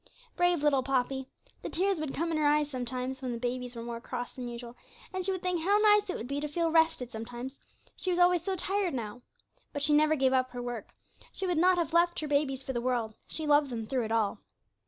Brave little Poppy! The tears would come in her eyes sometimes, when the babies were more cross than usual, and she would think how nice it would be to feel rested sometimes; she was always so tired now. But she never gave up her work; she would not have left her babies for the world; she loved them through it all.